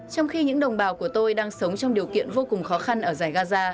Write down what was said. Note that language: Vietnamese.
trong khi những đồng bào của tôi đang sống trong điều kiện vô cùng khó khăn ở giải gaza